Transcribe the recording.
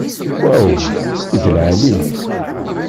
Waw, i d lɛali-t!